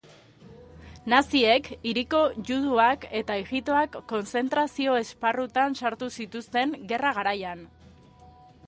Naziek hiriko juduak eta ijitoak kontzentrazio-esparrutan sartu zituzten gerra garaian.